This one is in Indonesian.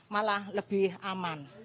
malah lebih aman